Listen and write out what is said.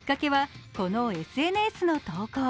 きっかけは、このＳＮＳの投稿。